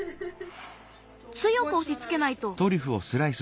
つよくおしつけないと。